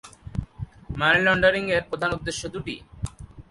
মানি লন্ডারিং-এর প্রধান উদ্দেশ্য দুটি।